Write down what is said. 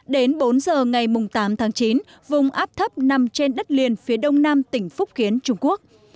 đến bốn giờ ngày tám tháng chín vùng áp thấp nằm trên đất liền phía đông nam tỉnh phúc kiến trung quốc